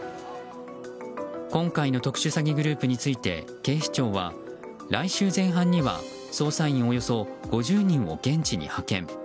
今回の特殊詐欺グループについて警視庁は来週前半には捜査員およそ５０人を現地に派遣。